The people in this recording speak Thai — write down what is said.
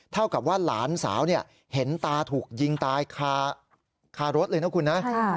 เท่ากับว่าหลานสาวเห็นตาถูกยิงตายคารถเลยนะคุณนะ